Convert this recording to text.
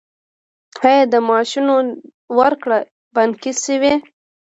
آیا د معاشونو ورکړه بانکي شوې؟